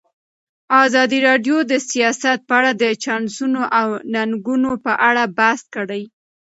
ازادي راډیو د سیاست په اړه د چانسونو او ننګونو په اړه بحث کړی.